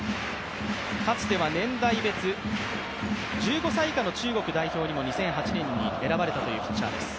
かつては年代別、１５歳以下の中国代表にも２００８年に選ばれたというピッチャーです。